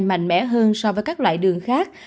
mạnh mẽ hơn so với các loại đường khác